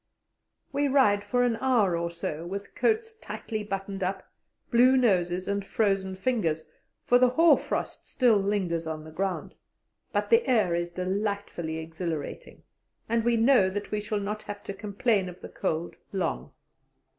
We ride for an hour or so with coats tightly buttoned up, blue noses, and frozen fingers for the hoar frost still lingers on the ground but the air is delightfully exhilarating, and we know that we shall not have to complain of the cold long.